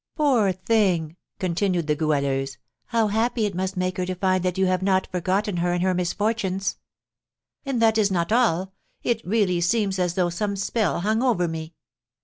"Poor thing," continued the Goualeuse; "how happy it must make her to find that you have not forgotten her in her misfortunes!" "And that is not all; it really seems as though some spell hung over me!